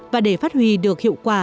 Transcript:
và để phát huy được hiệu quả